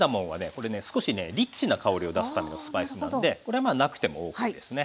これね少しねリッチな香りを出すためのスパイスなんでこれまあなくてもＯＫですね。